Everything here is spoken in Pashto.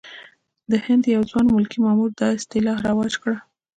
د هند یو ځوان ملکي مامور دا اصطلاح رواج کړه.